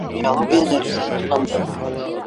Биология дәресе башланды.